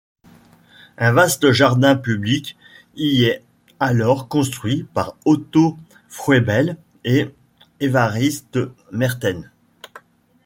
Un vaste jardin public y est alors construit par Otto Froebel et Évariste Mertens.